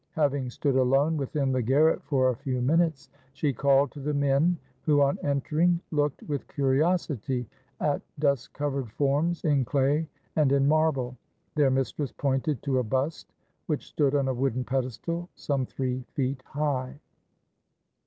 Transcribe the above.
Having stood alone within the garret for a few minutes, she called to the men, who, on entering, looked with curiosity at dust covered forms in clay and in marble. Their mistress pointed to a bust which stood on a wooden pedestal some three feet high.